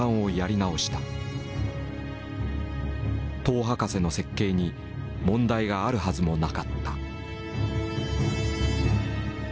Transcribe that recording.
「塔博士」の設計に問題があるはずもなかった。